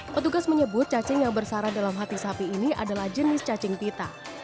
petugas menyebut cacing yang bersara dalam hati sapi ini adalah jenis cacing pita